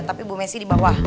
tapi bu messi di bawah